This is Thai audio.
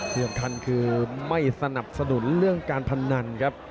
เฉียบทันคือไม่สนับสนุนเรื่องการพนันครับ